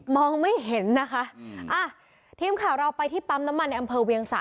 ไม่เห็นนะคะอืมอ่ะทีมข่าวเราไปที่ปั๊มน้ำมันในอำเภอเวียงสะ